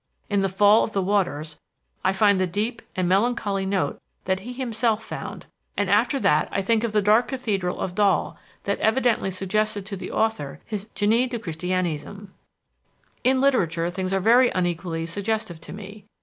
In the fall of the waters I find the deep and melancholy note that he himself found; and after that I think of that dark cathedral of Dol that evidently suggested to the author his Génie du Christianisme. "In literature, things are very unequally suggestive to me.